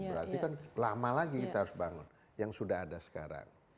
berarti kan lama lagi kita harus bangun yang sudah ada sekarang